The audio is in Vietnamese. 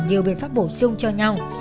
nhiều biện pháp bổ sung cho nhau